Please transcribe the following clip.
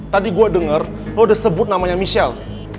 tadi gue dengar lo udah sebut namanya michelle